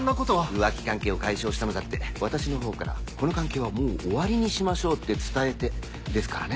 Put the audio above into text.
浮気関係を解消したのだって私のほうから「この関係はもう終わりにしましょう」って伝えてですからね。